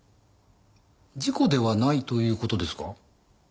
事故ではないという事ですか？